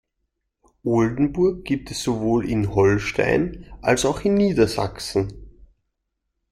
Oldenburg gibt es sowohl in Holstein, als auch in Niedersachsen.